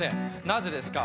なぜですか？」